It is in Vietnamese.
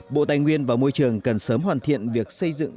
bộ tài nguyên và môi trường cần sớm hoàn thiện việc xây dựng